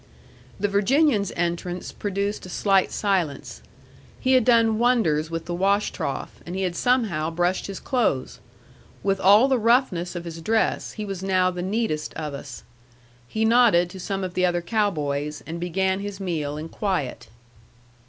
The Virginian's entrance produced a slight silence. He had done wonders with the wash trough, and he had somehow brushed his clothes. With all the roughness of his dress, he was now the neatest of us. He nodded to some of the other cow boys, and began his meal in quiet.